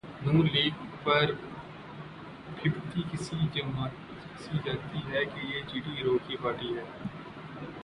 نون league پر پھبتی کسی جاتی ہے کہ یہ جی ٹی روڈ کی پارٹی ہے۔